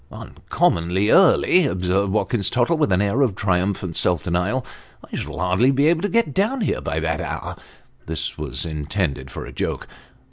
"Uncommonly early," observed Watkins Tottle, with an air of triumphant self denial. " I shall hardly be able to get down here by that hour." (This was intended for a joke.)